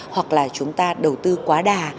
hoặc là chúng ta đầu tư quá đà